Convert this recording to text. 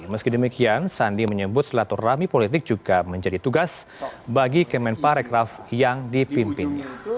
meski demikian sandi menyebut silaturahmi politik juga menjadi tugas bagi kemenparekraf yang dipimpin